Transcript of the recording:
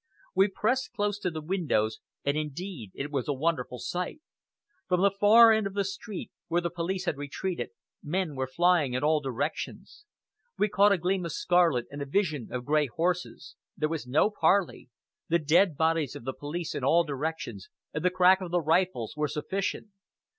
We pressed close to the windows, and indeed it was a wonderful sight. From the far end of the street, where the police had retreated, men were flying in all directions. We caught a gleam of scarlet and a vision of grey horses. There was no parley. The dead bodies of the police in all directions, and the crack of the rifles, were sufficient.